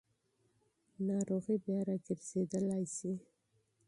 ناروغي بیا راګرځېدای شي.